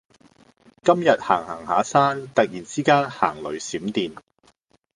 今日行行下山突然之間行雷閃電